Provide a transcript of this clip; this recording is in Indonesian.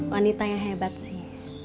wanita yang hebat sih